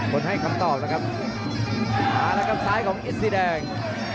คนให้คำตอบแล้วครับมาแล้วครับซ้ายของเอสสีแดง